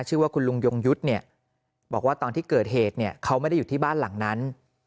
ชื่อว่าคุณลุงยงยุทธ์เนี่ยบอกว่าตอนที่เกิดเหตุเนี่ยเขาไม่ได้อยู่ที่บ้านหลังนั้น